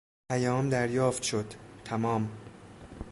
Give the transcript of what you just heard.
پیام دریافت شد -- تمام.